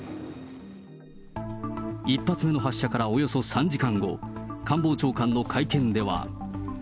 １発目の発射からおよそ３時間後、官房長官の会見では。